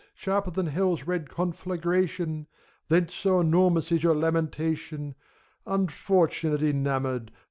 — Sharper than Hell's red conflagration ! Thence so enormous is your lamentation, Unfortunate Enamored!